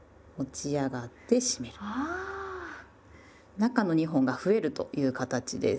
中の２本が増えるという形です。